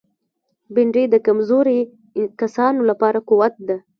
بېنډۍ د کمزوري کسانو لپاره قوت ده